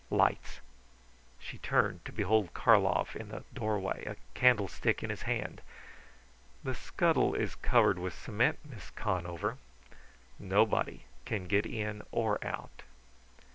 Light. She turned, to behold Karlov in the doorway, a candlestick in his hand. "The scuttle is covered with cement, Miss Conover. Nobody can get in or out."